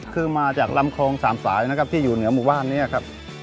คือมาจากลำคลองสามสายนะครับที่อยู่เหนือหมู่บ้านนี้ครับ